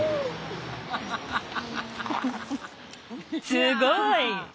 すごい！